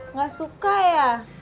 nggak suka ya